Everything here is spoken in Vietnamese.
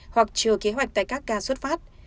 hoặc chờ kế hoạch tại các ga xuất phát